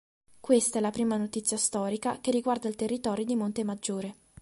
Questa è la prima notizia storica che riguarda il territorio di Montemaggiore.